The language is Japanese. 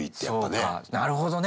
なるほどね！